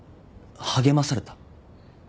励まされた？